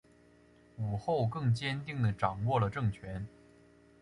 武后更坚定地掌握了政权。